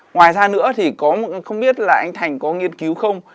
ngoài ra nữa thì không biết là anh thành có nghiên cứu không